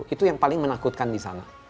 itu yang paling menakutkan di sana